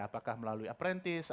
apakah melalui apprentice